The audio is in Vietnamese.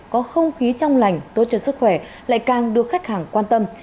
có không khí trong lành tốt cho sức khỏe lại càng được khách hàng quan tâm